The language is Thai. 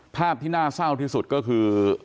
ภาพที่น่าเศร้าที่สุดก็คือ